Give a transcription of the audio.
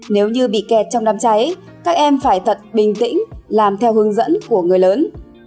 nếu như bị kẹt trong đám cháy các em phải thật bình tĩnh làm theo hướng dẫn của người lớn